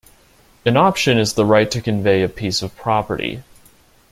An option is the right to convey a piece of property.